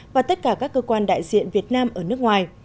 và tất cả các cơ quan đại diện việt nam ở nước ngoài